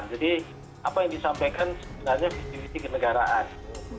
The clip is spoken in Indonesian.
jadi apa yang disampaikan sebenarnya bukti bukti kenegaraan